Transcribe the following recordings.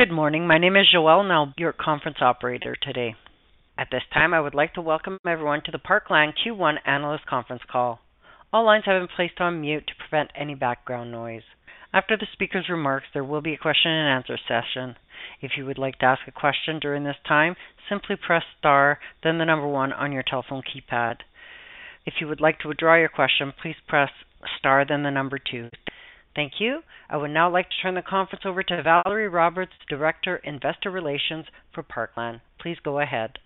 Good morning. My name is Joelle Noel, your conference operator today. At this time, I would like to welcome everyone to the Parkland Q1 Analyst Conference Call. All lines have been placed on mute to prevent any background noise. After the speaker's remarks, there will be a question and answer session. If you would like to ask a question during this time, simply press star then one on your telephone keypad. If you would like to withdraw your question, please press star then two. Thank you. I would now like to turn the conference over to Valerie Roberts, Director, Investor Relations for Parkland. Please go ahead.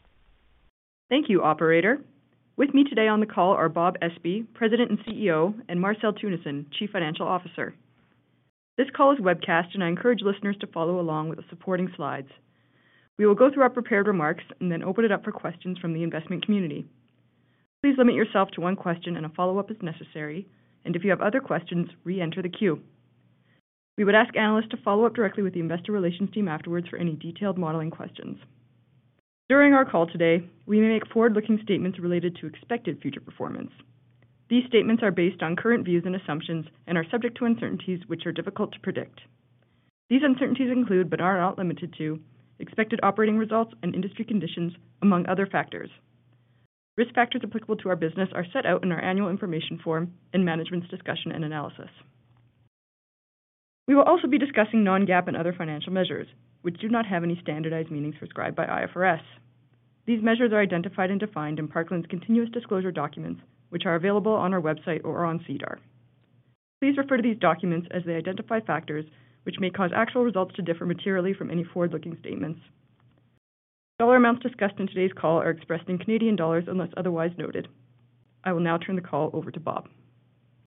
Thank you, operator. With me today on the call are Bob Espey, President and CEO, and Marcel Teunissen, Chief Financial Officer. This call is webcast. I encourage listeners to follow along with the supporting slides. We will go through our prepared remarks and then open it up for questions from the investment community. Please limit yourself to 1 question and a follow-up as necessary. If you have other questions, re-enter the queue. We would ask analysts to follow up directly with the investor relations team afterwards for any detailed modeling questions. During our call today, we may make forward-looking statements related to expected future performance. These statements are based on current views and assumptions and are subject to uncertainties which are difficult to predict. These uncertainties include, but are not limited to, expected operating results and industry conditions, among other factors. Risk factors applicable to our business are set out in our annual information form and management's discussion and analysis. We will also be discussing non-GAAP and other financial measures which do not have any standardized meanings prescribed by IFRS. These measures are identified and defined in Parkland's continuous disclosure documents, which are available on our website or on SEDAR. Please refer to these documents as they identify factors which may cause actual results to differ materially from any forward-looking statements. Dollar amounts discussed in today's call are expressed in Canadian dollars unless otherwise noted. I will now turn the call over to Bob.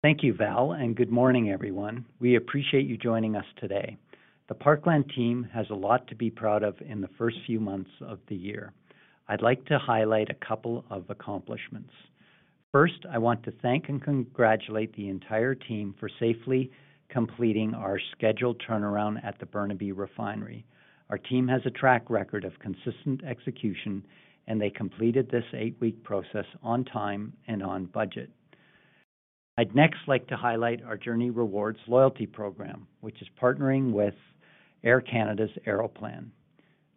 Thank you, Val. Good morning, everyone. We appreciate you joining us today. The Parkland team has a lot to be proud of in the first few months of the year. I'd like to highlight a couple of accomplishments. First, I want to thank and congratulate the entire team for safely completing our scheduled turnaround at the Burnaby Refinery. Our team has a track record of consistent execution, and they completed this eight-week process on time and on budget. I'd next like to highlight our JOURNIE Rewards loyalty program, which is partnering with Air Canada's Aeroplan.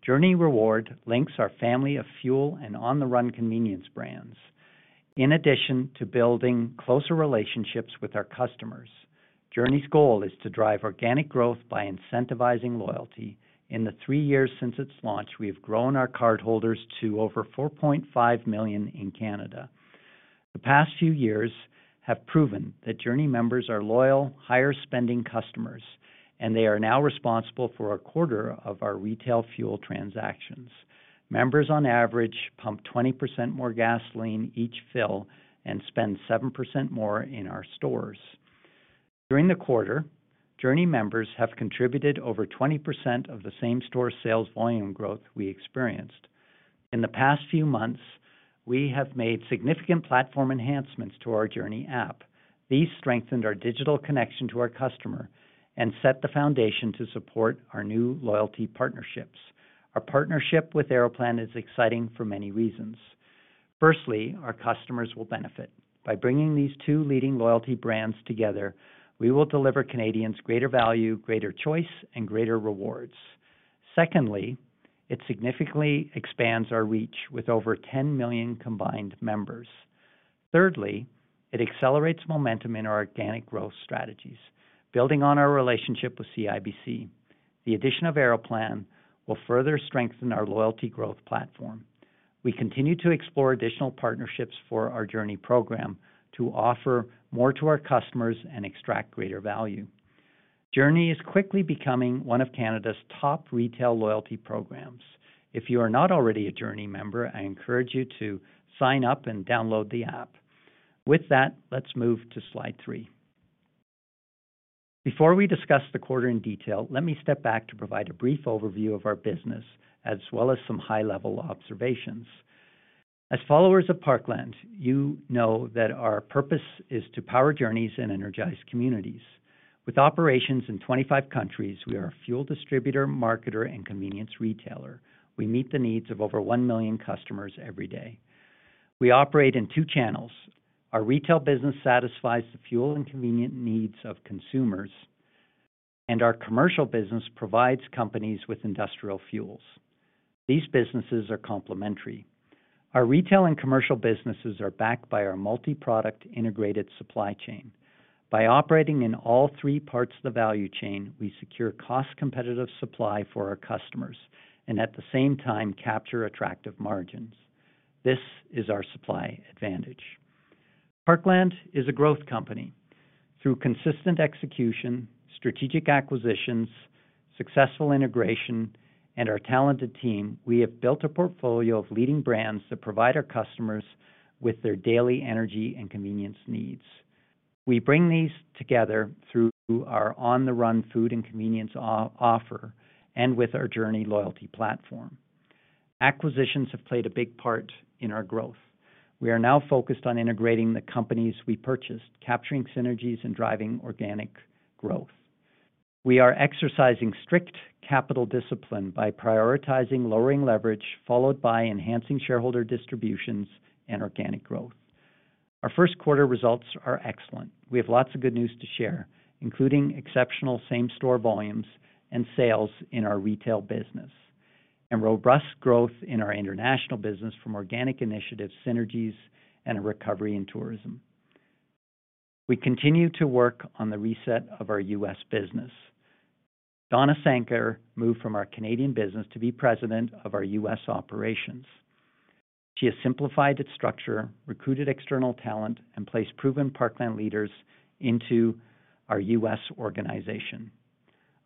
JOURNIE Reward links our family of fuel and On the Run convenience brands. In addition to building closer relationships with our customers, JOURNIE's goal is to drive organic growth by incentivizing loyalty. In the 3 years since its launch, we have grown our cardholders to over 4.5 million in Canada. The past few years have proven that JOURNIE members are loyal, higher-spending customers, and they are now responsible for a quarter of our retail fuel transactions. Members on average pump 20% more gasoline each fill and spend 7% more in our stores. During the quarter, JOURNIE members have contributed over 20% of the same-store sales volume growth we experienced. In the past few months, we have made significant platform enhancements to our JOURNIE app. These strengthened our digital connection to our customer and set the foundation to support our new loyalty partnerships. Our partnership with Aeroplan is exciting for many reasons. Firstly, our customers will benefit. By bringing these two leading loyalty brands together, we will deliver Canadians greater value, greater choice, and greater rewards. Secondly, it significantly expands our reach with over 10 million combined members. Thirdly, it accelerates momentum in our organic growth strategies. Building on our relationship with CIBC, the addition of Aeroplan will further strengthen our loyalty growth platform. We continue to explore additional partnerships for our JOURNIE program to offer more to our customers and extract greater value. JOURNIE is quickly becoming one of Canada's top retail loyalty programs. If you are not already a JOURNIE member, I encourage you to sign up and download the app. Let's move to slide 3. Before we discuss the quarter in detail, let me step back to provide a brief overview of our business as well as some high-level observations. As followers of Parkland, you know that our purpose is to power journeys and energize communities. With operations in 25 countries, we are a fuel distributor, marketer, and convenience retailer. We meet the needs of over 1 million customers every day. We operate in 2 channels. Our retail business satisfies the fuel and convenient needs of consumers, and our commercial business provides companies with industrial fuels. These businesses are complementary. Our retail and commercial businesses are backed by our multi-product integrated supply chain. By operating in all three parts of the value chain, we secure cost-competitive supply for our customers and at the same time capture attractive margins. This is our supply advantage. Parkland is a growth company. Through consistent execution, strategic acquisitions, successful integration, and our talented team, we have built a portfolio of leading brands that provide our customers with their daily energy and convenience needs. We bring these together through our On the Run food and convenience offer and with our JOURNIE loyalty platform. Acquisitions have played a big part in our growth. We are now focused on integrating the companies we purchased, capturing synergies and driving organic growth. We are exercising strict capital discipline by prioritizing lowering leverage, followed by enhancing shareholder distributions and organic growth. Our first quarter results are excellent. We have lots of good news to share, including exceptional same-store volumes and sales in our retail business, and robust growth in our international business from organic initiatives, synergies, and a recovery in tourism. We continue to work on the reset of our U.S. business. Donna Sanker moved from our Canadian business to be president of our U.S. operations. She has simplified its structure, recruited external talent, and placed proven Parkland leaders into our U.S. organization.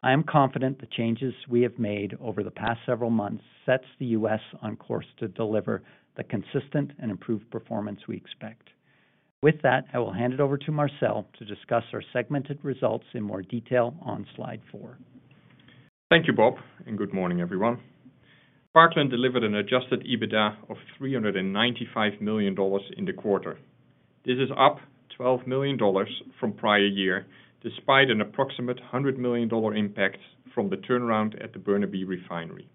I am confident the changes we have made over the past several months sets the U.S. on course to deliver the consistent and improved performance we expect. With that, I will hand it over to Marcel to discuss our segmented results in more detail on slide four. Thank you, Bob, and good morning, everyone. Parkland delivered an Adjusted EBITDA of 395 million dollars in the quarter. This is up 12 million dollars from prior year, despite an approximate 100 million dollar impact from the turnaround at the Burnaby Refinery.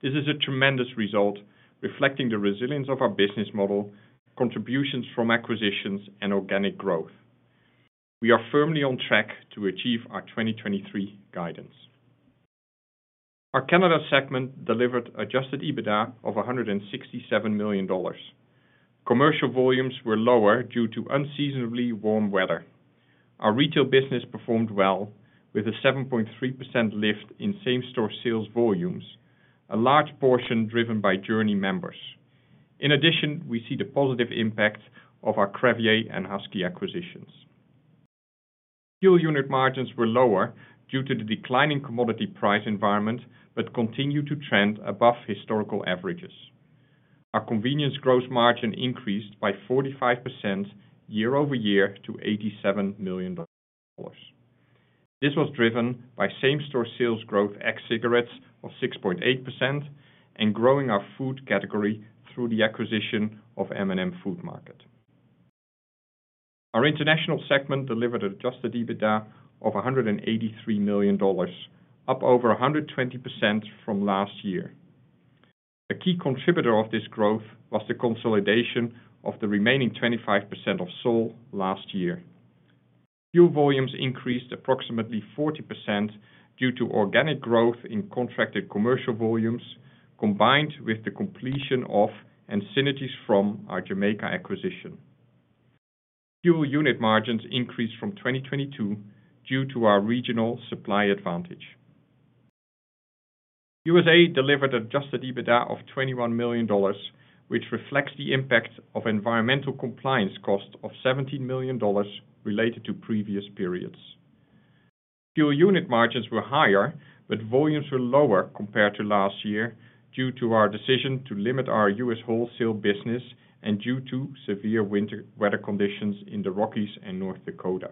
This is a tremendous result, reflecting the resilience of our business model, contributions from acquisitions, and organic growth. We are firmly on track to achieve our 2023 guidance. Our Canada segment delivered Adjusted EBITDA of 167 million dollars. Commercial volumes were lower due to unseasonably warm weather. Our retail business performed well with a 7.3% lift in same-store sales volumes, a large portion driven by JOURNIE members. In addition, we see the positive impact of our Crevier and Husky acquisitions. Fuel unit margins were lower due to the declining commodity price environment but continue to trend above historical averages. Our convenience gross margin increased by 45% year-over-year to CAD $87 million. This was driven by same-store sales growth ex-cigarettes of 6.8% and growing our food category through the acquisition of M&M Food Market. Our international segment delivered Adjusted EBITDA of CAD $183 million, up over 120% from last year. A key contributor of this growth was the consolidation of the remaining 25% of Sol last year. Fuel volumes increased approximately 40% due to organic growth in contracted commercial volumes, combined with the completion of and synergies from our Jamaica acquisition. Fuel unit margins increased from 2022 due to our regional supply advantage. USA delivered Adjusted EBITDA of $21 million, which reflects the impact of environmental compliance cost of $17 million related to previous periods. Fuel unit margins were higher, but volumes were lower compared to last year due to our decision to limit our US wholesale business and due to severe winter weather conditions in the Rockies and North Dakota.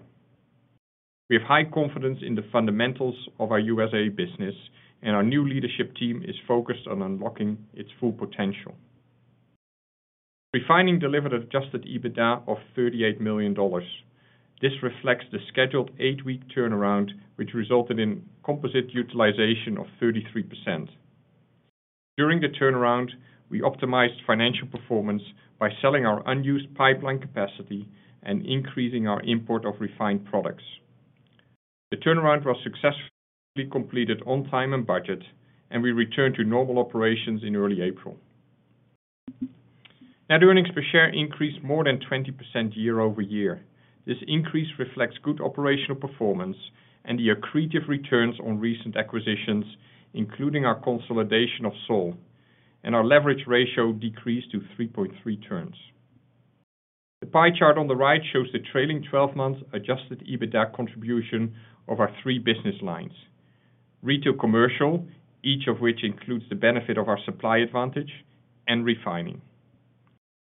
We have high confidence in the fundamentals of our USA business, and our new leadership team is focused on unlocking its full potential. Refining delivered Adjusted EBITDA of $38 million. This reflects the scheduled 8-week turnaround, which resulted in composite utilization of 33%. During the turnaround, we optimized financial performance by selling our unused pipeline capacity and increasing our import of refined products. The turnaround was successfully completed on time and budget, and we returned to normal operations in early April. Net earnings per share increased more than 20% year-over-year. This increase reflects good operational performance and the accretive returns on recent acquisitions, including our consolidation of Sol. Our leverage ratio decreased to 3.3 turns. The pie chart on the right shows the trailing 12 months Adjusted EBITDA contribution of our three business lines: Retail, commercial, each of which includes the benefit of our supply advantage, and refining.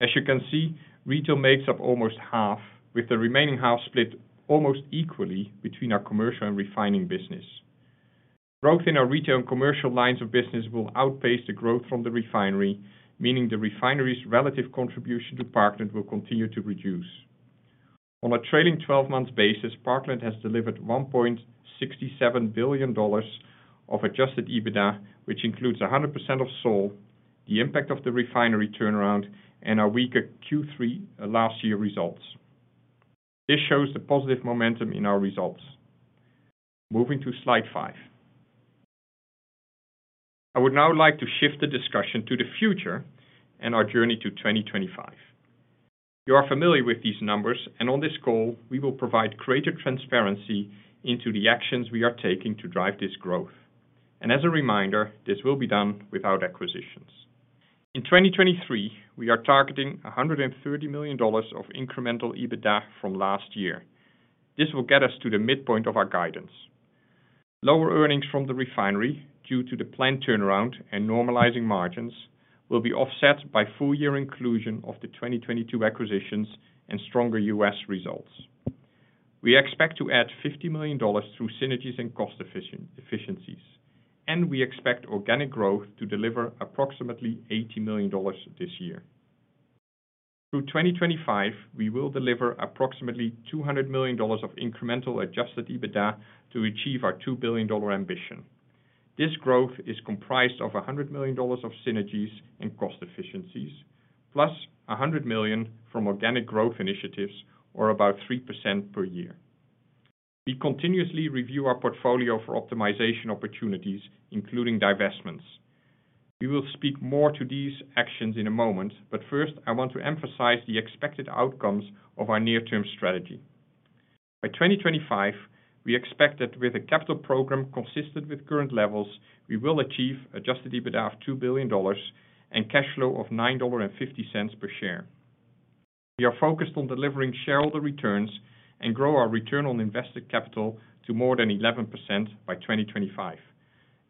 As you can see, retail makes up almost half, with the remaining half split almost equally between our commercial and refining business. Growth in our retail and commercial lines of business will outpace the growth from the refinery, meaning the refinery's relative contribution to Parkland will continue to reduce. On a trailing 12 months basis, Parkland has delivered 1.67 billion dollars of Adjusted EBITDA, which includes 100% of Sol, the impact of the refinery turnaround, and our weaker Q3 last year results. This shows the positive momentum in our results. Moving to slide 5. I would now like to shift the discussion to the future and our journey to 2025. You are familiar with these numbers. On this call, we will provide greater transparency into the actions we are taking to drive this growth. As a reminder, this will be done without acquisitions. In 2023, we are targeting 130 million dollars of incremental EBITDA from last year. This will get us to the midpoint of our guidance. Lower earnings from the refinery, due to the planned turnaround and normalizing margins, will be offset by full year inclusion of the 2022 acquisitions and stronger U.S. results. We expect to add $50 million through synergies and cost efficiencies. We expect organic growth to deliver approximately $80 million this year. Through 2025, we will deliver approximately $200 million of incremental Adjusted EBITDA to achieve our $2 billion ambition. This growth is comprised of $100 million of synergies and cost efficiencies, plus $100 million from organic growth initiatives, or about 3% per year. We continuously review our portfolio for optimization opportunities, including divestments. We will speak more to these actions in a moment. First, I want to emphasize the expected outcomes of our near-term strategy. By 2025, we expect that with a capital program consistent with current levels, we will achieve Adjusted EBITDA of 2 billion dollars and cash flow of 9.50 dollar per share. We are focused on delivering shareholder returns and grow our return on invested capital to more than 11% by 2025.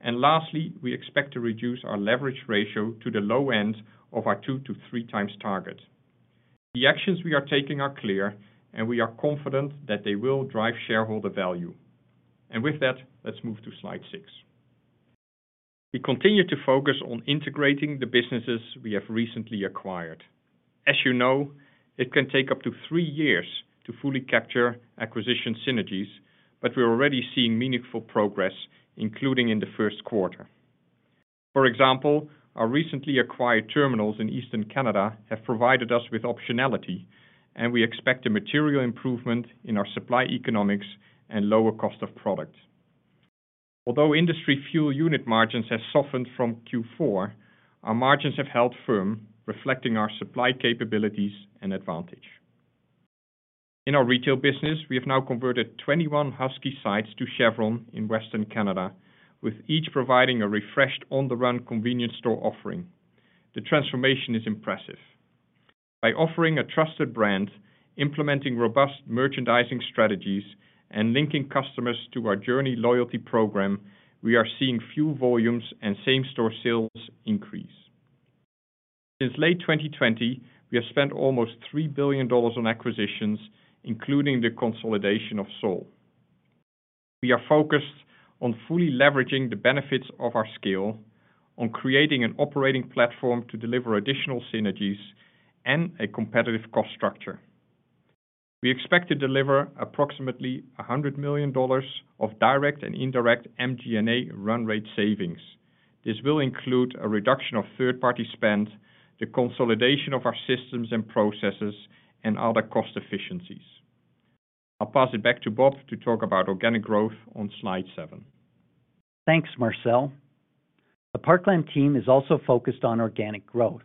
Lastly, we expect to reduce our leverage ratio to the low end of our 2-3 times target. The actions we are taking are clear, and we are confident that they will drive shareholder value. With that, let's move to slide six. We continue to focus on integrating the businesses we have recently acquired. As you know, it can take up to three years to fully capture acquisition synergies, but we're already seeing meaningful progress, including in the first quarter. For example, our recently acquired terminals in Eastern Canada have provided us with optionality. We expect a material improvement in our supply economics and lower cost of product. Although industry fuel unit margins have softened from Q4, our margins have held firm, reflecting our supply capabilities and advantage. In our retail business, we have now converted 21 Husky sites to Chevron in Western Canada, with each providing a refreshed On the Run convenience store offering. The transformation is impressive. By offering a trusted brand, implementing robust merchandising strategies, and linking customers to our JOURNIE Loyalty program, we are seeing fuel volumes and same-store sales increase. Since late 2020, we have spent almost 3 billion dollars on acquisitions, including the consolidation of Sol. We are focused on fully leveraging the benefits of our scale on creating an operating platform to deliver additional synergies and a competitive cost structure. We expect to deliver approximately $100 million of direct and indirect M&A run rate savings. This will include a reduction of third-party spend, the consolidation of our systems and processes, and other cost efficiencies. I'll pass it back to Bob to talk about organic growth on slide 7. Thanks, Marcel. The Parkland team is also focused on organic growth,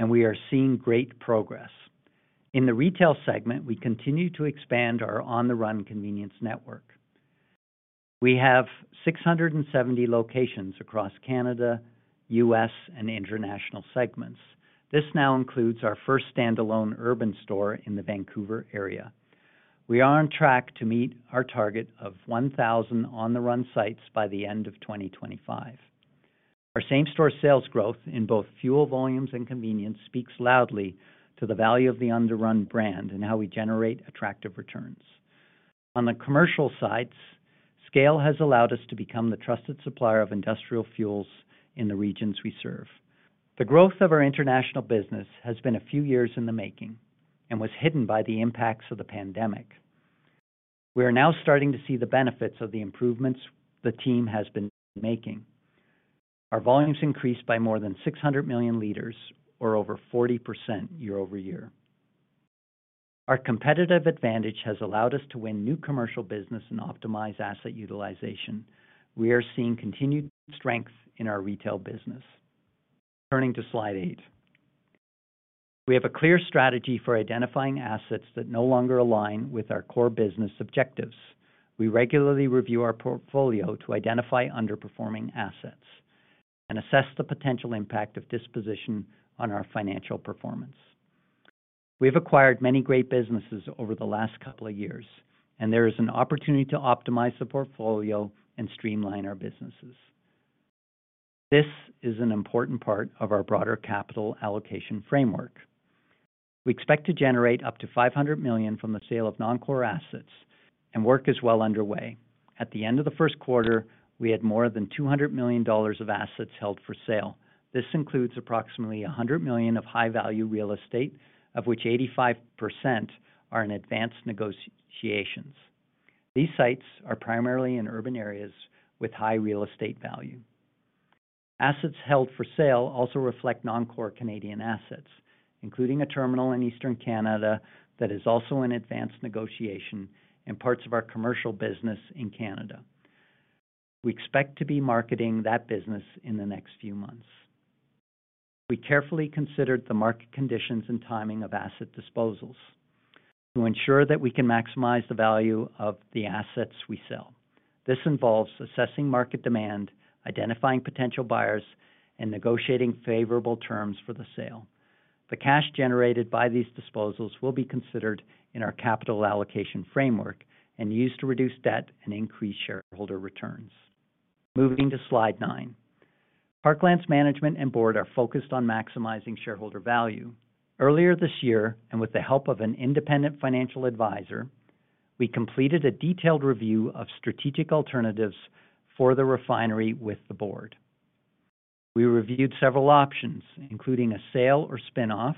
and we are seeing great progress. In the retail segment, we continue to expand our On the Run convenience network. We have 670 locations across Canada, U.S., and international segments. This now includes our first standalone urban store in the Vancouver area. We are on track to meet our target of 1,000 On the Run sites by the end of 2025. Our same-store sales growth in both fuel volumes and convenience speaks loudly to the value of the On the Run brand and how we generate attractive returns. On the commercial sides, scale has allowed us to become the trusted supplier of industrial fuels in the regions we serve. The growth of our international business has been a few years in the making and was hidden by the impacts of the pandemic. We are now starting to see the benefits of the improvements the team has been making. Our volumes increased by more than 600 million liters or over 40% year-over-year. Our competitive advantage has allowed us to win new commercial business and optimize asset utilization. We are seeing continued strength in our retail business. Turning to slide 8. We have a clear strategy for identifying assets that no longer align with our core business objectives. We regularly review our portfolio to identify underperforming assets and assess the potential impact of disposition on our financial performance. We've acquired many great businesses over the last couple of years, and there is an opportunity to optimize the portfolio and streamline our businesses. This is an important part of our broader capital allocation framework. We expect to generate up to 500 million from the sale of non-core assets. Work is well underway. At the end of the first quarter, we had more than 200 million dollars of assets held for sale. This includes approximately 100 million of high-value real estate, of which 85% are in advanced negotiations. These sites are primarily in urban areas with high real estate value. Assets held for sale also reflect non-core Canadian assets, including a terminal in Eastern Canada that is also in advanced negotiation and parts of our commercial business in Canada. We expect to be marketing that business in the next few months. We carefully considered the market conditions and timing of asset disposals to ensure that we can maximize the value of the assets we sell. This involves assessing market demand, identifying potential buyers, and negotiating favorable terms for the sale. The cash generated by these disposals will be considered in our capital allocation framework and used to reduce debt and increase shareholder returns. Moving to slide 9. Parkland's management and board are focused on maximizing shareholder value. Earlier this year, with the help of an independent financial advisor, we completed a detailed review of strategic alternatives for the refinery with the board. We reviewed several options, including a sale or spin-off,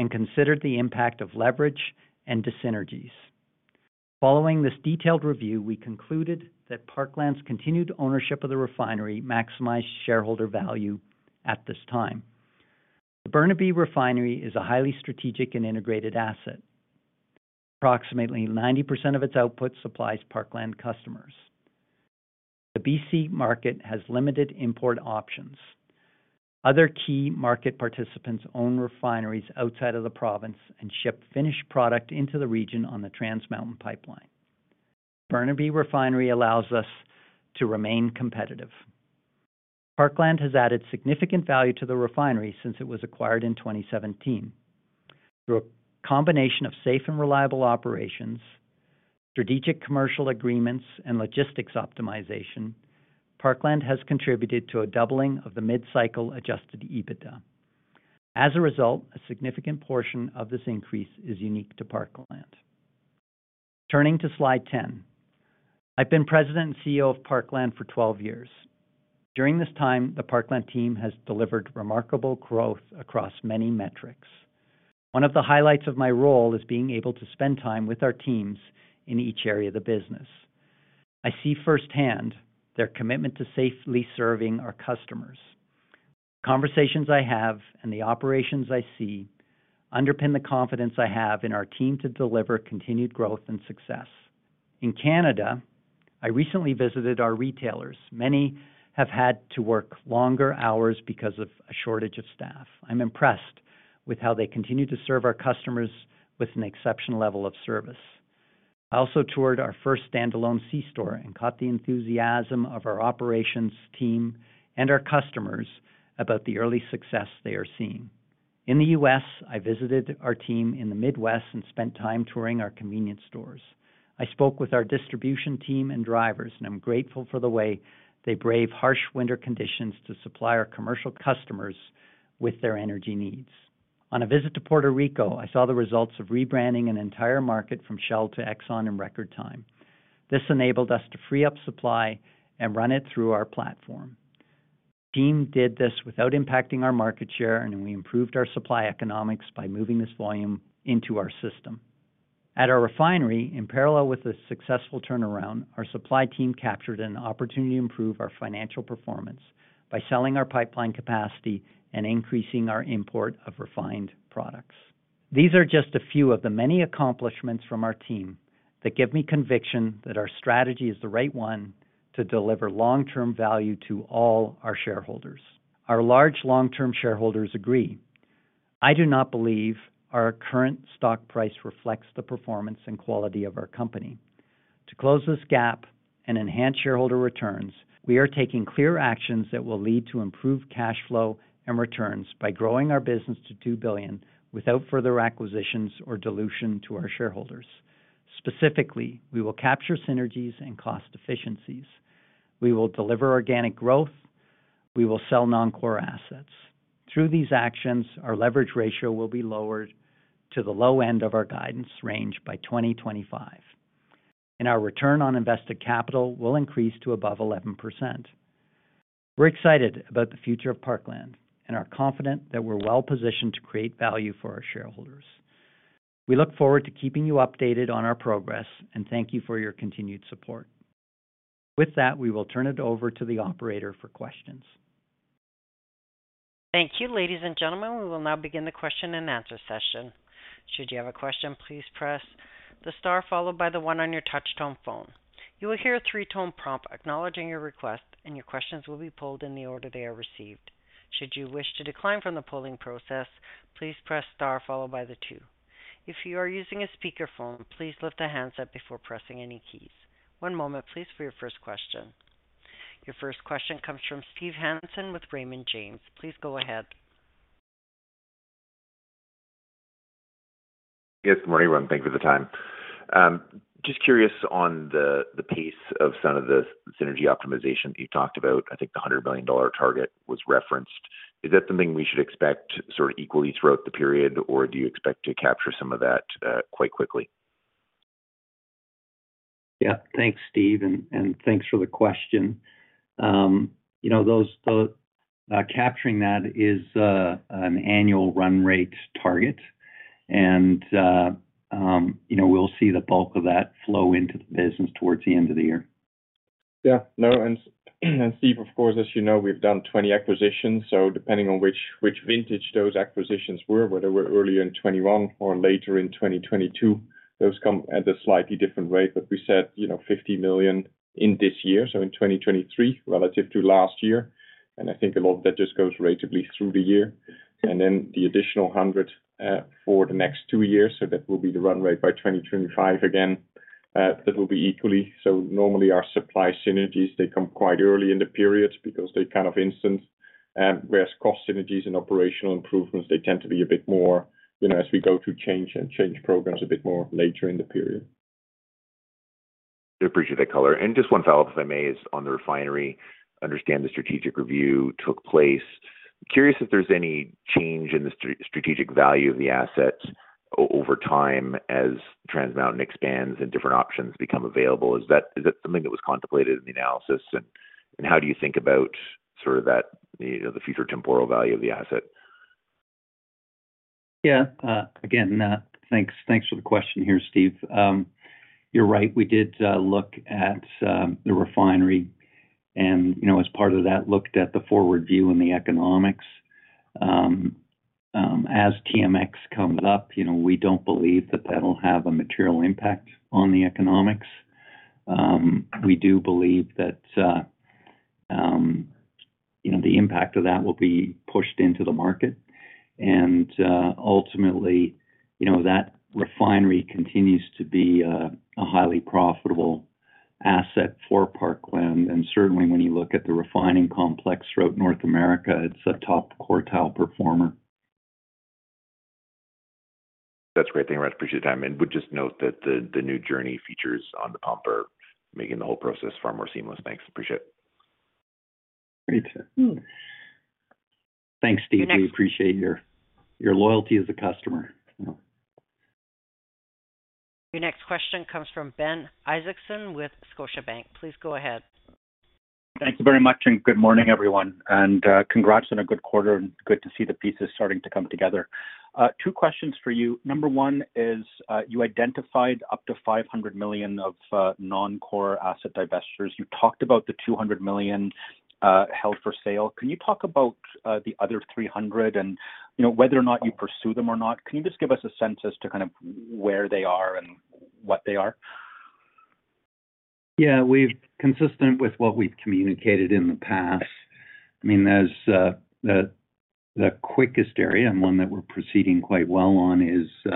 and considered the impact of leverage and dyssynergies. Following this detailed review, we concluded that Parkland's continued ownership of the refinery maximized shareholder value at this time. The Burnaby Refinery is a highly strategic and integrated asset. Approximately 90% of its output supplies Parkland customers. The BC market has limited import options. Other key market participants own refineries outside of the province and ship finished product into the region on the Trans Mountain pipeline. Burnaby Refinery allows us to remain competitive. Parkland has added significant value to the refinery since it was acquired in 2017. Through a combination of safe and reliable operations, strategic commercial agreements, and logistics optimization, Parkland has contributed to a doubling of the mid-cycle Adjusted EBITDA. As a result, a significant portion of this increase is unique to Parkland. Turning to slide 10. I've been president and CEO of Parkland for 12 years. During this time, the Parkland team has delivered remarkable growth across many metrics. One of the highlights of my role is being able to spend time with our teams in each area of the business. I see firsthand their commitment to safely serving our customers. The conversations I have and the operations I see underpin the confidence I have in our team to deliver continued growth and success. In Canada, I recently visited our retailers. Many have had to work longer hours because of a shortage of staff. I'm impressed with how they continue to serve our customers with an exceptional level of service. I also toured our first standalone C store and caught the enthusiasm of our operations team and our customers about the early success they are seeing. In the U.S., I visited our team in the Midwest and spent time touring our convenience stores. I spoke with our distribution team and drivers, and I'm grateful for the way they brave harsh winter conditions to supply our commercial customers with their energy needs. On a visit to Puerto Rico, I saw the results of rebranding an entire market from Shell to Exxon in record time. This enabled us to free up supply and run it through our platform. The team did this without impacting our market share, and we improved our supply economics by moving this volume into our system. At our refinery, in parallel with the successful turnaround, our supply team captured an opportunity to improve our financial performance by selling our pipeline capacity and increasing our import of refined products. These are just a few of the many accomplishments from our team that give me conviction that our strategy is the right one to deliver long-term value to all our shareholders. Our large long-term shareholders agree. I do not believe our current stock price reflects the performance and quality of our company. To close this gap and enhance shareholder returns, we are taking clear actions that will lead to improved cash flow and returns by growing our business to 2 billion without further acquisitions or dilution to our shareholders. Specifically, we will capture synergies and cost efficiencies. We will deliver organic growth. We will sell non-core assets. Through these actions, our leverage ratio will be lowered to the low end of our guidance range by 2025. Our return on invested capital will increase to above 11%. We're excited about the future of Parkland and are confident that we're well-positioned to create value for our shareholders. We look forward to keeping you updated on our progress and thank you for your continued support. With that, we will turn it over to the operator for questions. Thank you. Ladies and gentlemen, we will now begin the question and answer session. Should you have a question, please press the star followed by the one on your touch tone phone. You will hear a 3-tone prompt acknowledging your request, and your questions will be pulled in the order they are received. Should you wish to decline from the polling process, please press star followed by the two. If you are using a speaker phone, please lift the handset before pressing any keys. One moment, please, for your first question. Your first question comes from Steve Hansen with Raymond James. Please go ahead. Yes, good morning, everyone. Thank you for the time. Just curious on the pace of some of the synergy optimization that you talked about. I think the 100 billion dollar target was referenced. Is that something we should expect sort of equally throughout the period, or do you expect to capture some of that quite quickly? Yeah. Thanks, Steve. Thanks for the question. You know, those, the capturing that is an annual run rate target. You know, we'll see the bulk of that flow into the business towards the end of the year. No, and Steve, of course, as you know, we've done 20 acquisitions. Depending on which vintage those acquisitions were, whether it were earlier in 2021 or later in 2022, those come at a slightly different rate. We said, you know, 50 million in this year, so in 2023, relative to last year. I think a lot of that just goes ratably through the year. The additional 100 million for the next 2 years. That will be the run rate by 2025 again. That will be equally. Normally our supply synergies, they come quite early in the periods because they're kind of instant. Whereas cost synergies and operational improvements, they tend to be a bit more, you know, as we go through change and change programs a bit more later in the period. I appreciate that color. Just one follow-up, if I may, is on the refinery. Understand the strategic review took place. Curious if there's any change in the strategic value of the assets over time as Trans Mountain expands and different options become available. Is that something that was contemplated in the analysis? How do you think about sort of that, you know, the future temporal value of the asset? Yeah. Again, thanks for the question here, Steve. You're right. We did look at the refinery and, you know, as part of that, looked at the forward view and the economics. As TMX comes up, you know, we don't believe that that'll have a material impact on the economics. We do believe that, you know, the impact of that will be pushed into the market. Ultimately, you know, that refinery continues to be a highly profitable asset for Parkland. Certainly when you look at the refining complex throughout North America, it's a top quartile performer. That's a great thing. I appreciate your time. Would just note that the new JOURNIE features on the pump are making the whole process far more seamless. Thanks. Appreciate it. Great. Thanks, Steve. Your next- We appreciate your loyalty as a customer. You know. Your next question comes from Ben Isaacson with Scotiabank. Please go ahead. Thank you very much. Good morning, everyone. Congrats on a good quarter and good to see the pieces starting to come together. Two questions for you. Number one is, you identified up to 500 million of non-core asset divestitures. You talked about the 200 million held for sale. Can you talk about the other 300 million and, you know, whether or not you pursue them or not? Can you just give us a sense as to kind of where they are and what they are? Consistent with what we've communicated in the past, I mean, there's the quickest area and one that we're proceeding quite well on is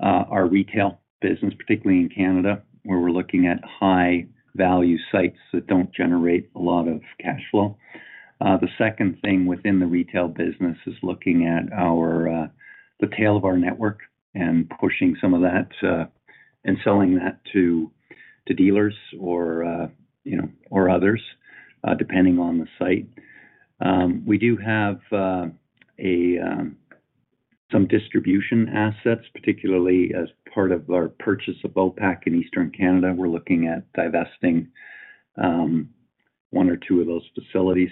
our retail business, particularly in Canada, where we're looking at high value sites that don't generate a lot of cash flow. The second thing within the retail business is looking at the tail of our network and pushing some of that and selling that to dealers or, you know, or others, depending on the site. We do have some distribution assets, particularly as part of our purchase of Quebec in Eastern Canada. We're looking at divesting one or two of those facilities.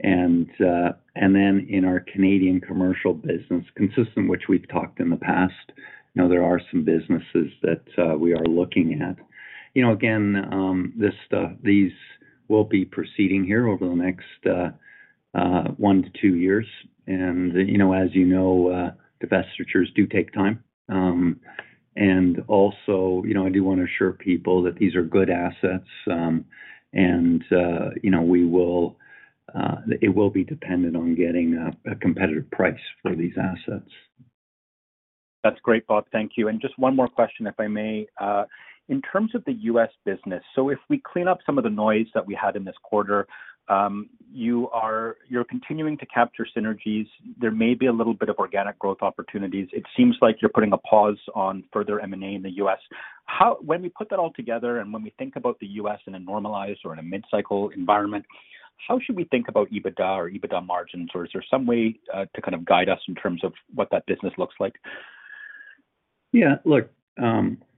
Then in our Canadian commercial business, consistent which we've talked in the past, you know, there are some businesses that we are looking at. You know, again, these will be proceeding here over the next 1-2 years. And, you know, as you know, divestitures do take time. And also, you know, I do want to assure people that these are good assets, and, you know, we will, it will be dependent on getting a competitive price for these assets. That's great, Bob. Thank you. Just one more question, if I may. In terms of the U.S. business, if we clean up some of the noise that we had in this quarter, you're continuing to capture synergies. There may be a little bit of organic growth opportunities. It seems like you're putting a pause on further M&A in the U.S. When we put that all together and when we think about the U.S. in a normalized or in a mid-cycle environment, how should we think about EBITDA or EBITDA margins? Is there some way to kind of guide us in terms of what that business looks like? Yeah. Look,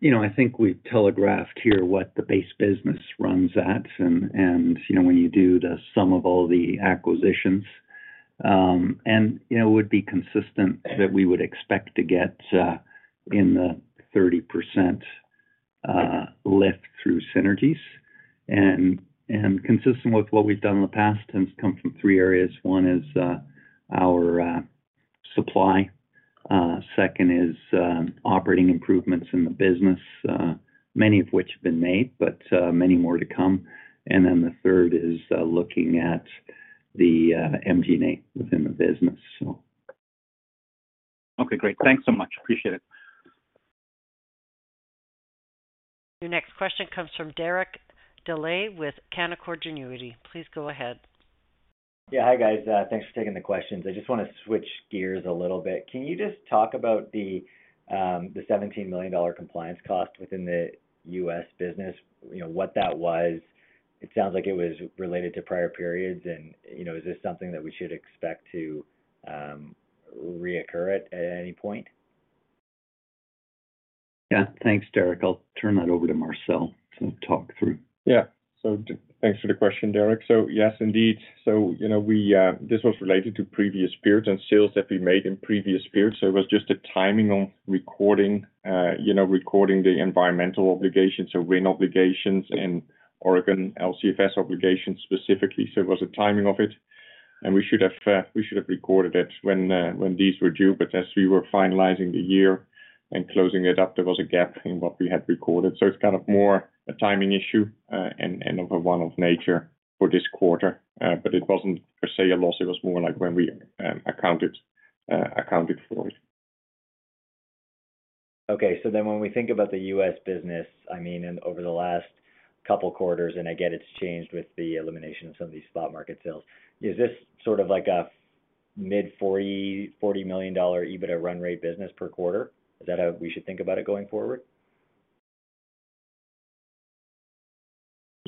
you know, I think we've telegraphed here what the base business runs at. You know, when you do the sum of all the acquisitions, you know, would be consistent that we would expect to get in the 30% lift through synergies. Consistent with what we've done in the past, tends to come from three areas. One is our supply, second is operating improvements in the business, many of which have been made, but many more to come. The third is looking at the SG&A within the business, so. Okay, great. Thanks so much. Appreciate it. Your next question comes from Derek Dley with Canaccord Genuity. Please go ahead. Yeah. Hi, guys. Thanks for taking the questions. I just wanna switch gears a little bit. Can you just talk about the $17 million compliance cost within the U.S. business? You know, what that was. It sounds like it was related to prior periods. You know, is this something that we should expect to reoccur at any point? Yeah. Thanks, Derek. I'll turn that over to Marcel to talk through. Yeah. Thanks for the question, Derek. Yes, indeed. You know, we This was related to previous periods and sales that we made in previous periods. It was just a timing on recording, you know, recording the environmental obligations. RIN obligations and Oregon LCFS obligations specifically. It was a timing of it, and we should have, we should have recorded it when these were due. As we were finalizing the year and closing it up, there was a gap in what we had recorded. It's kind of more a timing issue, and of a one of nature for this quarter. It wasn't per se a loss. It was more like when we accounted for it. Okay. When we think about the U.S. business, I mean, and over the last couple quarters, and again, it's changed with the elimination of some of these spot market sales. Is this sort of like a mid $40 million EBITDA run rate business per quarter? Is that how we should think about it going forward? Yeah,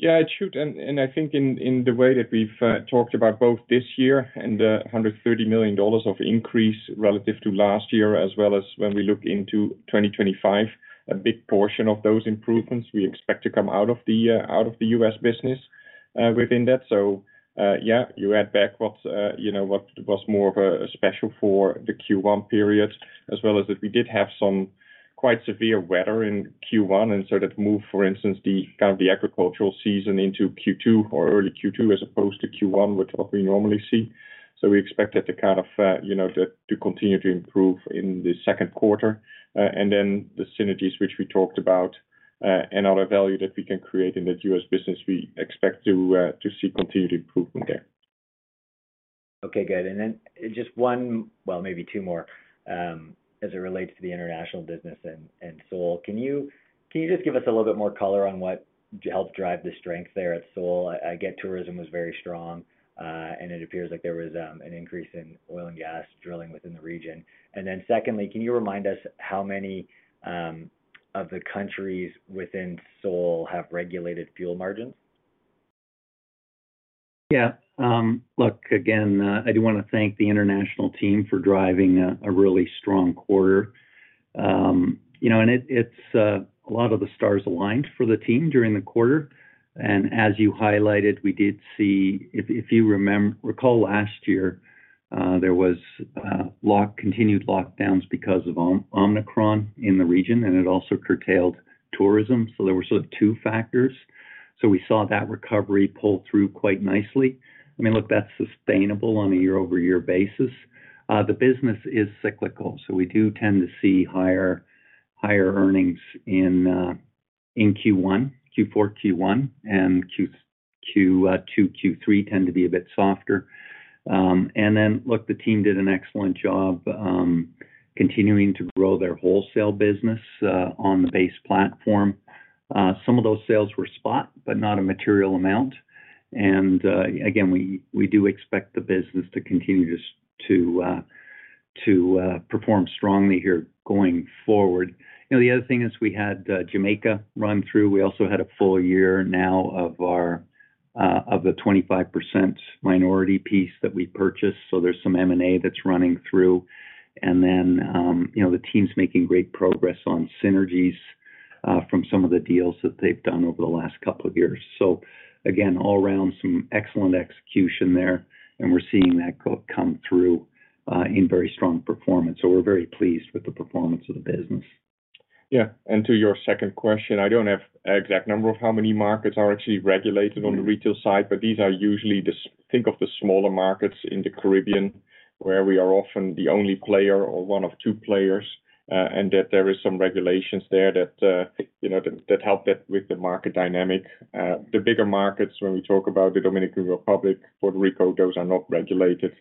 it should. I think in the way that we've talked about both this year and the $130 million of increase relative to last year, as well as when we look into 2025, a big portion of those improvements we expect to come out of the U.S. business within that. Yeah, you add back what, you know, what was more of a special for the Q1 period, as well as that we did have some quite severe weather in Q1, and so that moved, for instance, the kind of the agricultural season into Q2 or early Q2, as opposed to Q1, which what we normally see. We expect that to kind of, you know, to continue to improve in the second quarter. Then the synergies which we talked about, and other value that we can create in the U.S. business, we expect to see continued improvement there. Okay, good. Then just one... well, maybe two more, as it relates to the international business and Sol. Can you just give us a little bit more color on what helped drive the strength there at Sol? I get tourism was very strong, and it appears like there was an increase in oil and gas drilling within the region. Then secondly, can you remind us how many of the countries within Sol have regulated fuel margins? Yeah. Look, again, I do want to thank the international team for driving a really strong quarter. You know, it's a lot of the stars aligned for the team during the quarter. As you highlighted, we did see. If you recall last year, there was continued lockdowns because of Omicron in the region, and it also curtailed tourism, so there were sort of two factors. We saw that recovery pull through quite nicely. I mean, look, that's sustainable on a year-over-year basis. The business is cyclical, we do tend to see higher earnings in Q1. Q4, Q1, and Q2, Q3 tend to be a bit softer. Look, the team did an excellent job continuing to grow their wholesale business on the base platform. Some of those sales were spot, not a material amount. Again, we do expect the business to continue to perform strongly here going forward. You know, the other thing is we had Jamaica run through. We also had a full year now of our of the 25% minority piece that we purchased, so there's some M&A that's running through. You know, the team's making great progress on synergies from some of the deals that they've done over the last couple of years. Again, all around some excellent execution there, and we're seeing that come through in very strong performance. We're very pleased with the performance of the business. Yeah. To your second question, I don't have an exact number of how many markets are actually regulated on the retail side, but these are usually the think of the smaller markets in the Caribbean, where we are often the only player or one of two players, there is some regulations there that, you know, that help that with the market dynamic. The bigger markets, when we talk about the Dominican Republic, Puerto Rico, those are not regulated,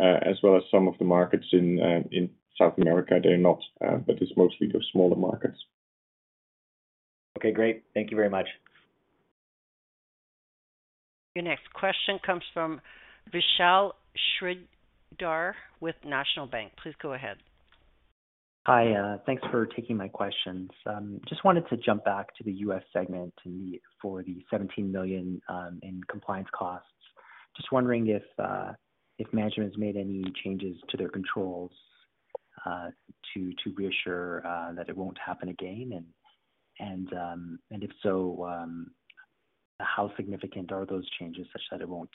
as well as some of the markets in South America, they're not. It's mostly the smaller markets. Okay, great. Thank you very much. Your next question comes from Vishal Shreedhar with National Bank. Please go ahead. Hi. Thanks for taking my questions. Just wanted to jump back to the US segment for the $17 million in compliance costs. Just wondering if management's made any changes to their controls to reassure that it won't happen again. If so, how significant are those changes such that it won't,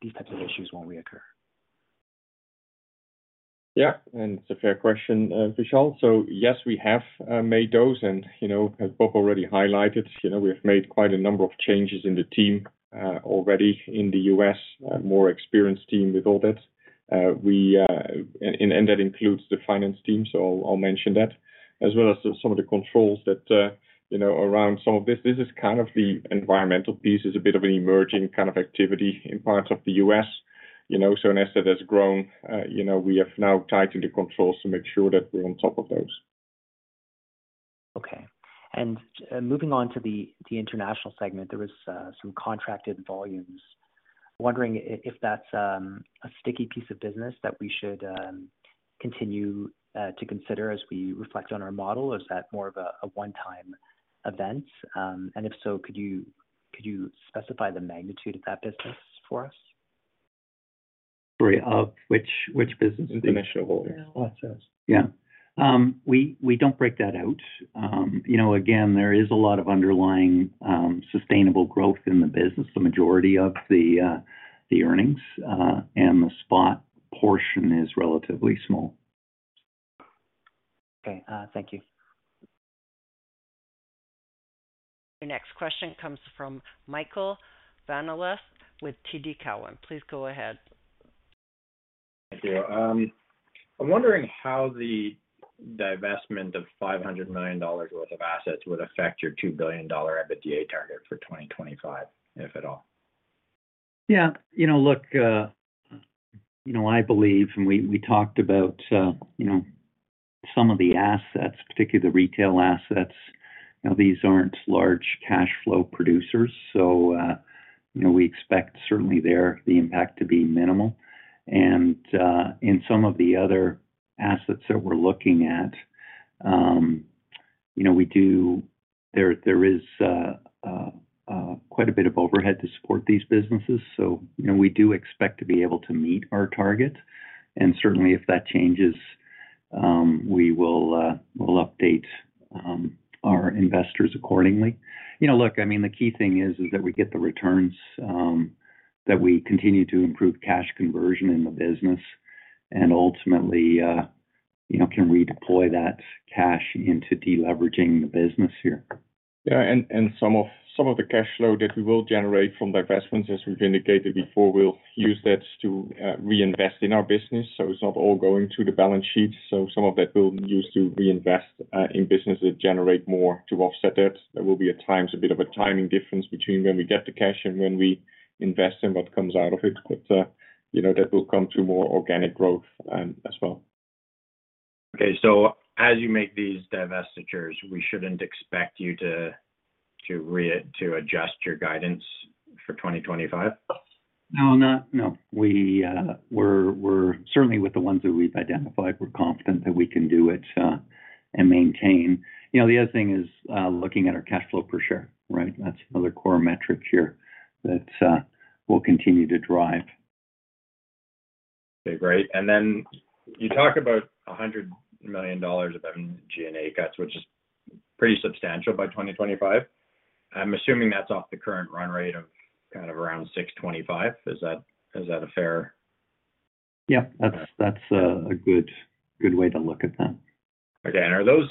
these types of issues won't reoccur? Yeah. It's a fair question, Vishal. Yes, we have made those. You know, as Bob already highlighted, you know, we have made quite a number of changes in the team already in the U.S., a more experienced team with all that. We, and that includes the finance team, so I'll mention that, as well as some of the controls that, you know, around some of this. This is kind of the environmental piece. It's a bit of an emerging kind of activity in parts of the U.S., you know. As that has grown, you know, we have now tightened the controls to make sure that we're on top of those. Okay. Moving on to the international segment, there was some contracted volumes. Wondering if that's a sticky piece of business that we should continue to consider as we reflect on our model. Is that more of a one-time event? If so, could you specify the magnitude of that business for us? Sorry. Of which business is... The commercial. Yeah. We don't break that out. You know, again, there is a lot of underlying, sustainable growth in the business, the majority of the earnings. The spot portion is relatively small. Okay. Thank you. Your next question comes from Michael Van Aelst with TD Cowen. Please go ahead. Thank you. I'm wondering how the divestment of $500 million worth of assets would affect your $2 billion EBITDA target for 2025, if at all? Yeah. You know, look, you know, I believe, and we talked about, you know, some of the assets, particularly the retail assets, you know, these aren't large cash flow producers, so, you know, we expect certainly there the impact to be minimal. In some of the other assets that we're looking at, you know, there is quite a bit of overhead to support these businesses, so, you know, we do expect to be able to meet our target. Certainly, if that changes, we will, we'll update our investors accordingly. You know, look, I mean, the key thing is that we get the returns, that we continue to improve cash conversion in the business and ultimately, you know, can redeploy that cash into deleveraging the business here. Yeah. Some of the cash flow that we will generate from divestments, as we've indicated before, we'll use that to reinvest in our business, so it's not all going to the balance sheet. Some of that we'll use to reinvest in business that generate more to offset that. There will be at times a bit of a timing difference between when we get the cash and when we invest and what comes out of it. You know, that will come to more organic growth as well. Okay. As you make these divestitures, we shouldn't expect you to adjust your guidance for 2025? No. We're certainly with the ones that we've identified, we're confident that we can do it and maintain. You know, the other thing is looking at our cash flow per share, right? That's another core metric here that we'll continue to drive. Okay. Great. You talk about 100 million dollars of SG&A cuts, which is pretty substantial by 2025. I'm assuming that's off the current run rate of around 625 million. Is that a fair- Yeah. That's a good way to look at that. Okay. Are those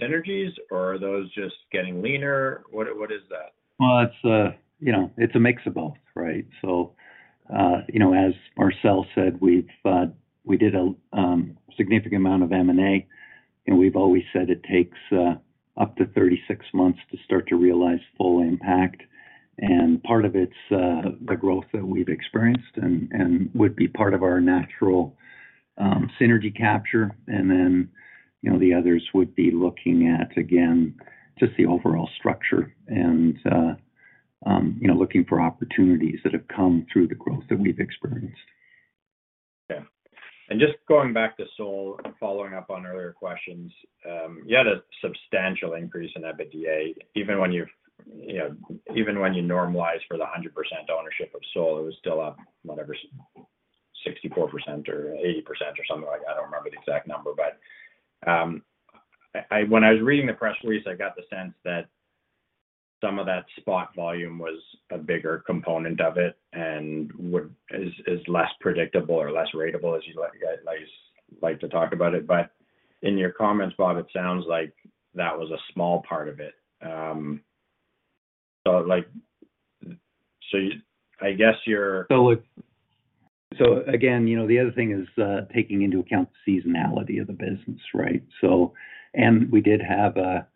synergies or are those just getting leaner? What is that? Well, it's, you know, it's a mix of both, right? You know, as Marcel said, we've, we did a significant amount of M&A. We've always said it takes up to 36 months to start to realize full impact. Part of it's the growth that we've experienced and would be part of our natural synergy capture. Then, you know, the others would be looking at, again, just the overall structure and, you know, looking for opportunities that have come through the growth that we've experienced. Yeah. Just going back to Sol and following up on earlier questions, you had a substantial increase in EBITDA even when you know, even when you normalize for the 100% ownership of Sol, it was still up, whatever, 64% or 80% or something like that. I don't remember the exact number. I, when I was reading the press release, I got the sense that some of that spot volume was a bigger component of it and is less predictable or less ratable, as you guys like to talk about it. In your comments, Bob, it sounds like that was a small part of it. I guess you're- Again, you know, the other thing is, taking into account the seasonality of the business, right? We did have a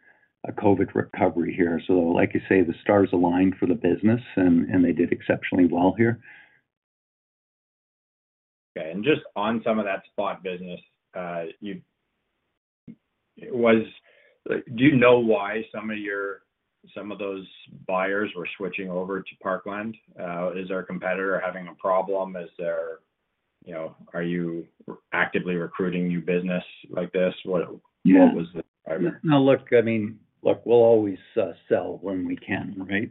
COVID recovery here. Like you say, the stars aligned for the business and they did exceptionally well here. Okay. Just on some of that spot business, Do you know why some of those buyers were switching over to Parkland? Is our competitor having a problem? Is there... You know, are you actively recruiting new business like this? What- Yeah. What was the driver? No, look, I mean, look, we'll always sell when we can, right?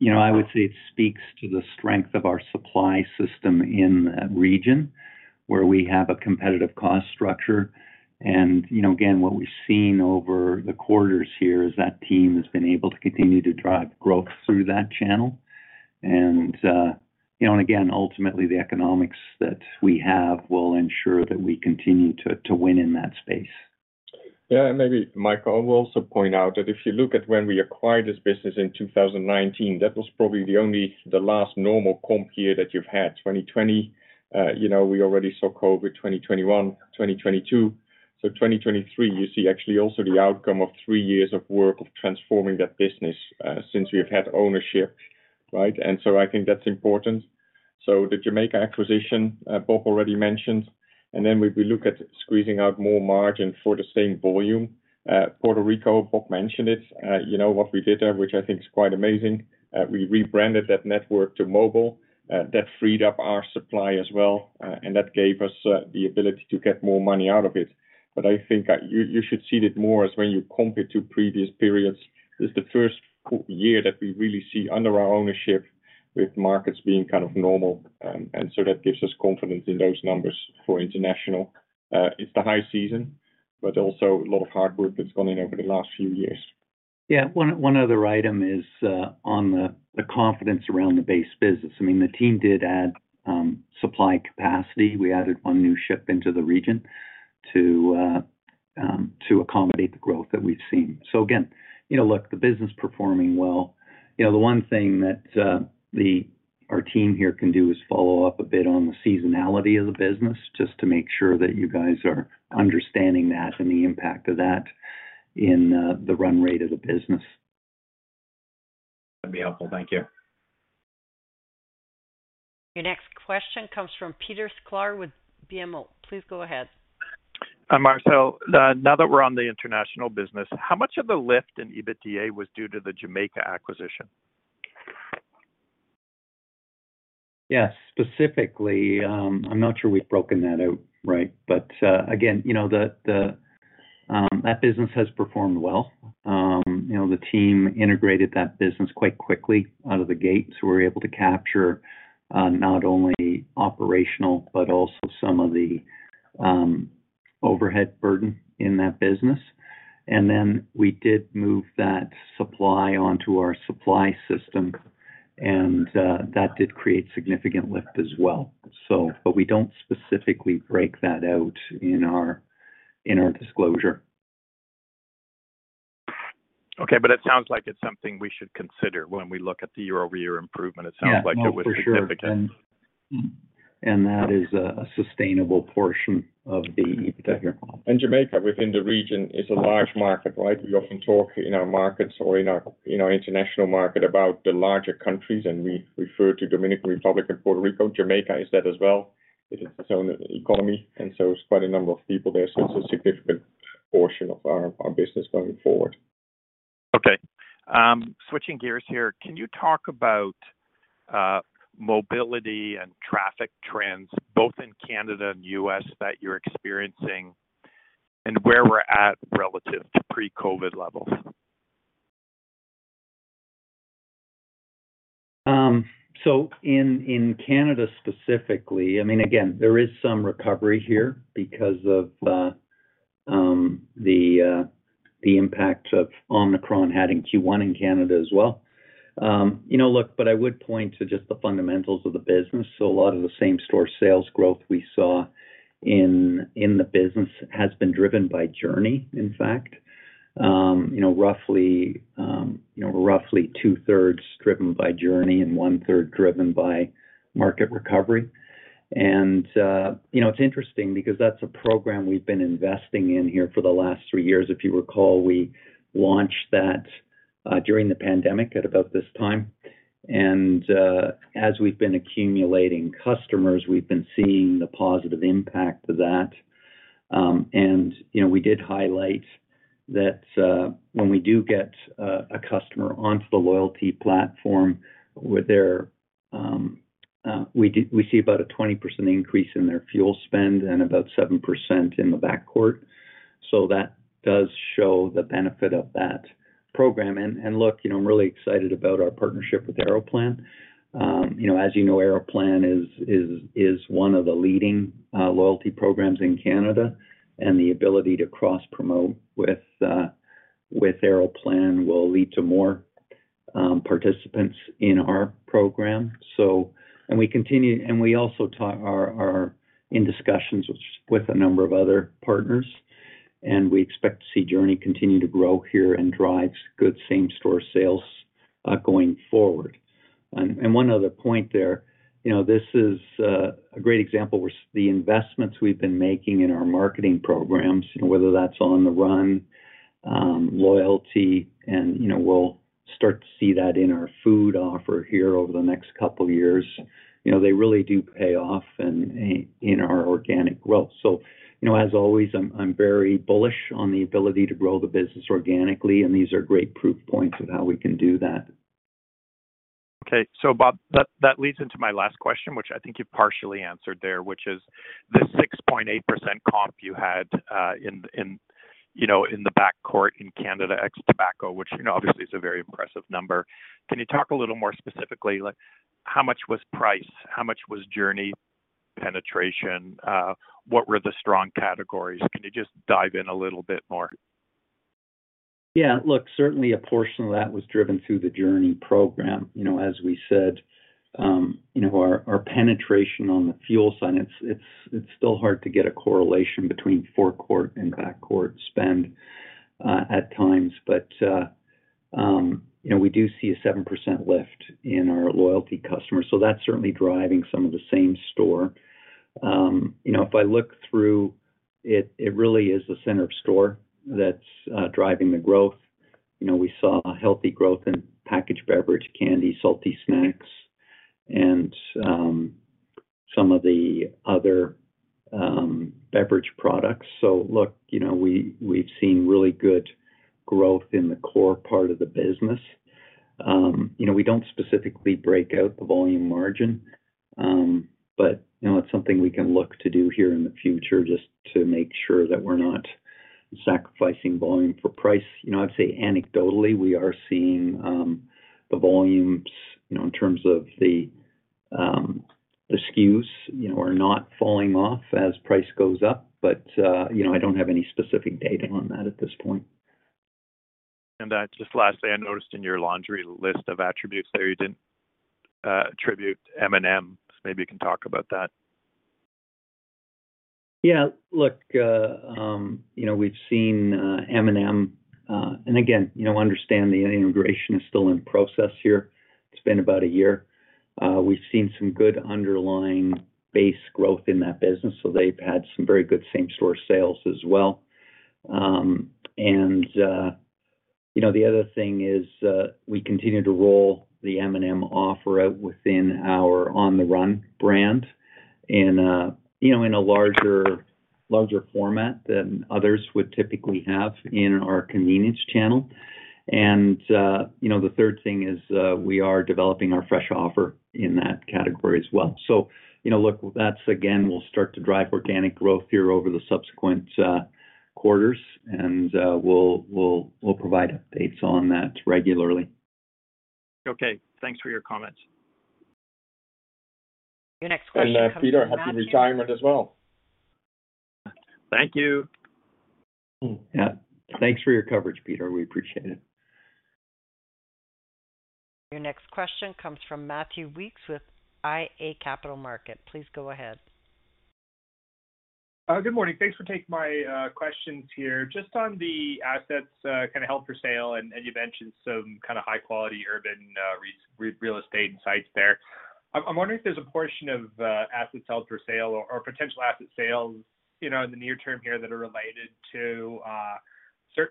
you know, I would say it speaks to the strength of our supply system in that region where we have a competitive cost structure. you know, and again, ultimately, the economics that we have will ensure that we continue to win in that space. Yeah. Maybe, Michael, I will also point out that if you look at when we acquired this business in 2019, that was probably the last normal comp year that you've had. 2020, you know, we already saw COVID. 2021, 2022. 2023, you see actually also the outcome of three years of work of transforming that business since we've had ownership, right? I think that's important. The Jamaica acquisition, Bob already mentioned. We look at squeezing out more margin for the same volume. Puerto Rico, Bob mentioned it. You know, what we did there, which I think is quite amazing, we rebranded that network to Mobil. That freed up our supply as well, that gave us the ability to get more money out of it. I think, you should see it more as when you compare to previous periods. This is the first year that we really see under our ownership with markets being kind of normal. That gives us confidence in those numbers for international. It's the high season, but also a lot of hard work that's gone in over the last few years. Yeah. One other item is on the confidence around the base business. I mean, the team did add supply capacity. We added one new ship into the region to accommodate the growth that we’ve seen. Again, you know, look, the business performing well. You know, the one thing that our team here can do is follow up a bit on the seasonality of the business, just to make sure that you guys are understanding that and the impact of that in the run rate of the business. That'd be helpful. Thank you. Your next question comes from Peter Sklar with BMO. Please go ahead. Hi, Marcel. Now that we're on the international business, how much of the lift in EBITDA was due to the Jamaica acquisition? Yeah. Specifically, I'm not sure we've broken that out, right? Again, you know, that business has performed well. You know, the team integrated that business quite quickly out of the gate, so we were able to capture not only operational but also some of the overhead burden in that business. Then we did move that supply onto our supply system, and that did create significant lift as well. We don't specifically break that out in our, in our disclosure. Okay. It sounds like it's something we should consider when we look at the year-over-year improvement. Yeah. It sounds like it was significant. For sure. That is a sustainable portion of the EBITDA here. Jamaica, within the region, is a large market, right? We often talk in our markets or in our international market about the larger countries, and we refer to Dominican Republic and Puerto Rico. Jamaica is that as well. It is its own economy. It's quite a number of people there. It's a significant portion of our business going forward. Okay. Switching gears here, can you talk about mobility and traffic trends both in Canada and US that you're experiencing and where we're at relative to pre-COVID levels? In Canada specifically, I mean, again, there is some recovery here because of the impact of Omicron had in Q1 in Canada as well. You know, look, I would point to just the fundamentals of the business. A lot of the same-store sales growth we saw in the business has been driven by JOURNIE, in fact. You know, roughly, you know, roughly two-thirds driven by JOURNIE and one-third driven by market recovery. You know, it's interesting because that's a program we've been investing in here for the last three years. If you recall, we launched that during the pandemic at about this time. As we've been accumulating customers, we've been seeing the positive impact of that. You know, we did highlight that when we do get a customer onto the loyalty platform with their, we see about a 20% increase in their fuel spend and about 7% in the backcourt. That does show the benefit of that program. Look, you know, I'm really excited about our partnership with Aeroplan. You know, as you know, Aeroplan is one of the leading loyalty programs in Canada, the ability to cross-promote with Aeroplan will lead to more participants in our program. We also are in discussions with a number of other partners, we expect to see JOURNIE continue to grow here and drive good same-store sales going forward. One other point there, you know, this is a great example with the investments we've been making in our marketing programs, you know, whether that's On the Run, loyalty, and, you know, we'll start to see that in our food offer here over the next couple years. You know, they really do pay off in our organic growth. As always, I'm very bullish on the ability to grow the business organically, and these are great proof points of how we can do that. Bob, that leads into my last question, which I think you partially answered there, which is the 6.8% comp you had in, in the backcourt in Canada ex tobacco, which obviously is a very impressive number. Can you talk a little more specifically, like how much was price? How much was JOURNIE penetration? What were the strong categories? Can you just dive in a little bit more? Yeah. Look, certainly a portion of that was driven through the JOURNIE program. You know, as we said, you know, our penetration on the fuel side, it's still hard to get a correlation between forecourt and backcourt spend at times. You know, we do see a 7% lift in our loyalty customers, so that's certainly driving some of the same store. You know, if I look through it really is the center of store that's driving the growth. You know, we saw a healthy growth in packaged beverage, candy, salty snacks, and some of the other beverage products. Look, you know, we've seen really good growth in the core part of the business. You know, we don't specifically break out the volume margin, but, you know, it's something we can look to do here in the future just to make sure that we're not sacrificing volume for price. You know, I'd say anecdotally, we are seeing, the volumes, you know, in terms of the SKUs, you know, are not falling off as price goes up. You know, I don't have any specific data on that at this point. Just lastly, I noticed in your laundry list of attributes there, you didn't attribute M&M, maybe you can talk about that? Yeah. Look, you know, we've seen M&M and again, you know, understand the integration is still in process here. It's been about a year. We've seen some good underlying base growth in that business, so they've had some very good same-store sales as well. You know, the other thing is, we continue to roll the M&M offer out within our On the Run brand in, you know, in a larger format than others would typically have in our convenience channel. You know, the third thing is, we are developing our fresh offer in that category as well. You know, look, that's again, will start to drive organic growth here over the subsequent quarters, and we'll provide updates on that regularly. Okay. Thanks for your comments. Peter Sklar, happy retirement as well. Thank you. Yeah. Thanks for your coverage, Peter. We appreciate it. Your next question comes from Matthew Weekes with iA Capital Markets. Please go ahead. Good morning. Thanks for taking my questions here. Just on the assets, kind of held for sale, and you've mentioned some kind of high-quality urban, real estate and sites there. I'm wondering if there's a portion of asset sales for sale or potential asset sales, you know, in the near term here that are related to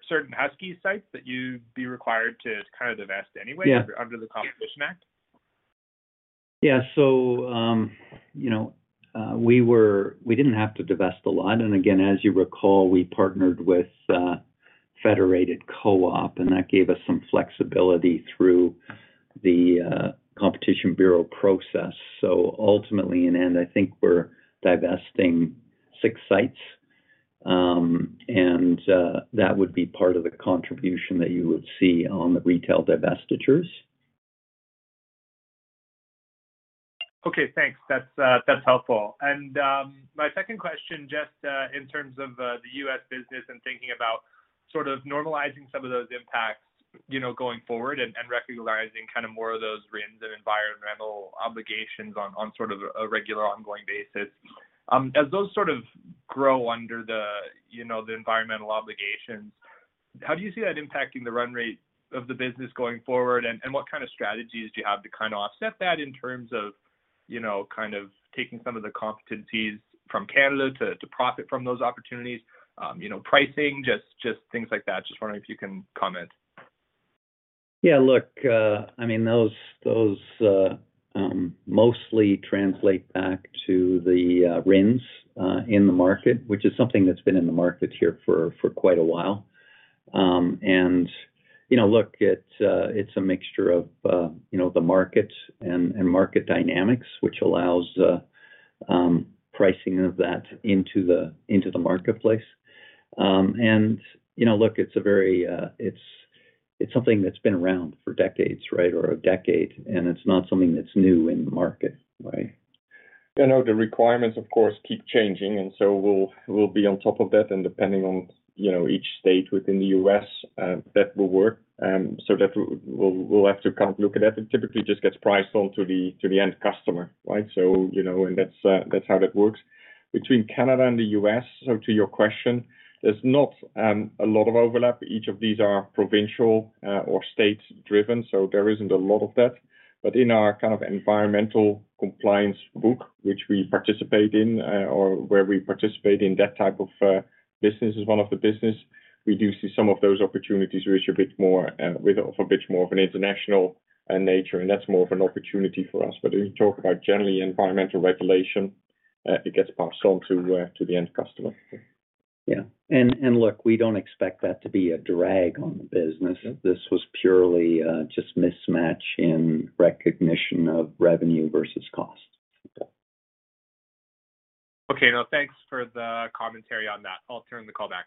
certain Husky sites that you'd be required to kind of divest anyway? Yeah Under the Competition Act? Yeah. you know, we didn't have to divest a lot. again, as you recall, we partnered with Federated Co-op, and that gave us some flexibility through the Competition Bureau process. ultimately in end, I think we're divesting 6 sites. that would be part of the contribution that you would see on the retail divestitures. Okay, thanks. That's, that's helpful. My second question, just in terms of the U.S. business and thinking about sort of normalizing some of those impacts, you know, going forward and recognizing kind of more of those RINs and environmental obligations on sort of a regular ongoing basis. As those sort of grow under, you know, the environmental obligations, how do you see that impacting the run rate of the business going forward? What kind of strategies do you have to kind of offset that in terms of, you know, kind of taking some of the competencies from Canada to profit from those opportunities, you know, pricing, just things like that. Just wondering if you can comment. Yeah, look, I mean, those mostly translate back to the RINs in the market, which is something that's been in the market here for quite a while. You know, look, it's a mixture of, you know, the market and market dynamics, which allows pricing of that into the marketplace. You know, look, it's a very it's something that's been around for decades, right? Or a decade, and it's not something that's new in the market, right? You know, the requirements, of course, keep changing, and so we'll be on top of that. Depending on, you know, each state within the U.S., that will work. That we'll have to kind of look at that. It typically just gets priced on to the end customer, right? You know, and that's how that works. Between Canada and the U.S., so to your question, there's not a lot of overlap. Each of these are provincial or state-driven, so there isn't a lot of that. In our kind of environmental compliance book, which we participate in, or where we participate in that type of business, as one of the business, we do see some of those opportunities, which are a bit more with of a bit more of an international nature, and that's more of an opportunity for us. If you talk about generally environmental regulation, it gets passed on to the end customer. Yeah. Look, we don't expect that to be a drag on the business. This was purely, just mismatch in recognition of revenue versus cost. Okay. No, thanks for the commentary on that. I'll turn the call back.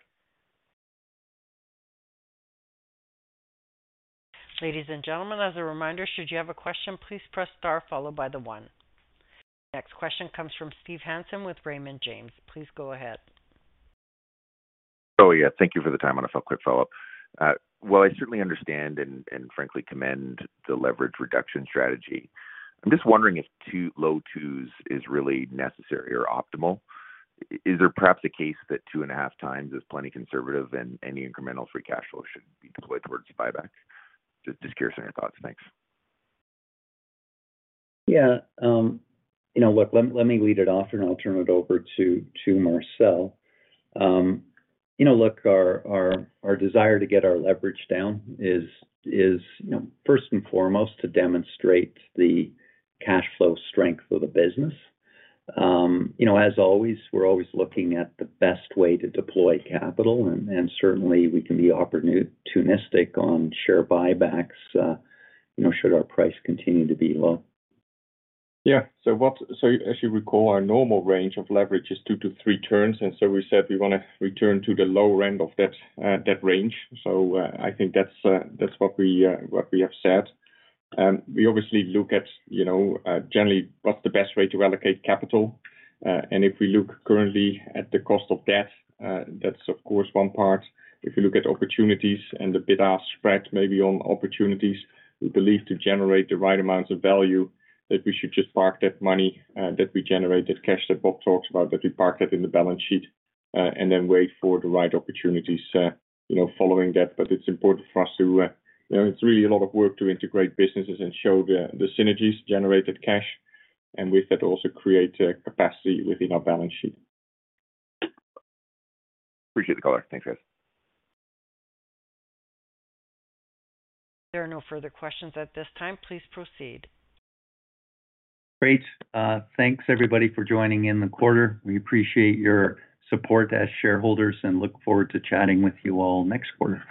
Ladies and gentlemen, as a reminder, should you have a question, please press star followed by the one. Next question comes from Steve Hansen with Raymond James. Please go ahead. Yeah, thank you for the time. I'll quick follow-up. While I certainly understand and frankly commend the leverage reduction strategy, I'm just wondering if low 2s is really necessary or optimal. Is there perhaps a case that 2.5 times is plenty conservative and any incremental free cash flow should be deployed towards buyback? Just curious on your thoughts. Thanks. Yeah. You know, look, let me lead it off, and I'll turn it over to Marcel. You know, look, our desire to get our leverage down is, you know, first and foremost to demonstrate the cash flow strength of the business. You know, as always, we're always looking at the best way to deploy capital, and certainly we can be opportunistic on share buybacks, you know, should our price continue to be low. Yeah. As you recall, our normal range of leverage is 2-3 turns, and so we said we wanna return to the low end of that range. I think that's that's what we what we have said. We obviously look at, you know, generally what's the best way to allocate capital. If we look currently at the cost of debt, that's of course one part. If you look at opportunities and the bid-ask spread maybe on opportunities, we believe to generate the right amounts of value, that we should just park that money, that we generate, that cash that Bob talks about, that we park that in the balance sheet, and then wait for the right opportunities, you know, following that. It's important for us to, you know, it's really a lot of work to integrate businesses and show the synergies, generate that cash, and with that also create capacity within our balance sheet. Appreciate the call. Thanks, guys. There are no further questions at this time. Please proceed. Great. Thanks everybody for joining in the quarter. We appreciate your support as shareholders and look forward to chatting with you all next quarter.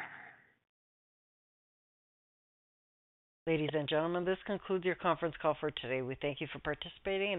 Ladies and gentlemen, this concludes your conference call for today. We thank you for participating.